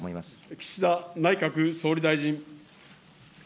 岸田内閣総理大臣。